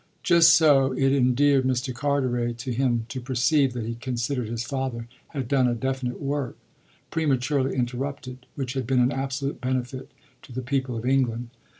Just so it endeared Mr. Carteret to him to perceive that he considered his father had done a definite work, prematurely interrupted, which had been an absolute benefit to the people of England.